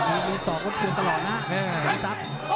มีสองคนเกี่ยวตลอดนะ